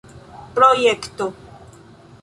projekto